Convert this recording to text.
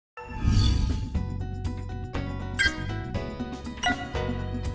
hãy xây dựng một hệ thống giáo dục có thể tạo dựng niềm tin cho người dân